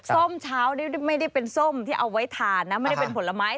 ส้มเช้านี่ไม่ได้เป็นส้มที่เอาไว้ทานนะไม่ได้เป็นผลไม้